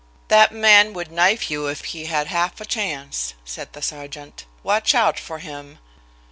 "That man would knife you if he had half a chance," said the sergeant. "Watch out for him!"